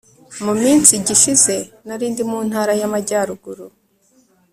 muminsi gishize narindi muntara yamajyaruguru